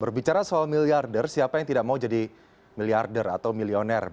berbicara soal miliarder siapa yang tidak mau jadi miliarder atau milioner